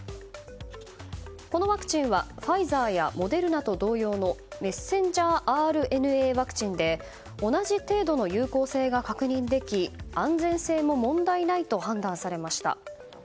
このワクチンはファイザーやモデルナと同様のメッセンジャーＲＮＡワクチンで同じ程度の有効性が確認でき安全性も問題ないと判断されました。